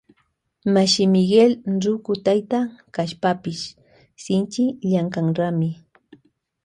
Mashi Miguel ruku tayta kashpapash shinchi llankanrami.